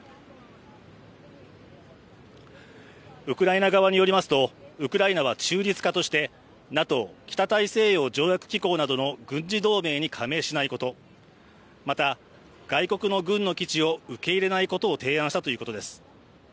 ウクライナ側によりますと、ウクライナは中立化としてＮＡＴＯ＝北大西洋条約機構などの軍事同盟に加盟しないことまた、外国の軍の基地を受け入れないことを提案したということです。